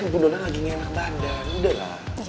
kan bu dona lagi ngenak bandan udah lah